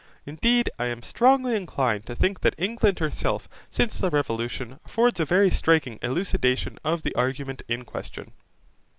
Indeed I am strongly inclined to think that England herself, since the Revolution, affords a very striking elucidation of the argument in question.